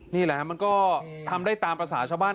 นี่แหละมันก็ทำได้ตามภาษาชาวบ้าน